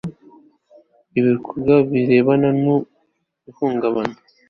ibikorwa birebana n ihungabana